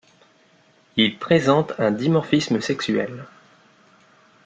Il présente un dimorphisme sexuel.